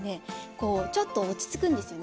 こうちょっと落ち着くんですよね。